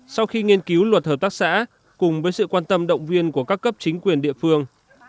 sau khi nghiên cứu luật hợp tác xã cùng với sự quan tâm động viên của các cấp chính quyền địa phương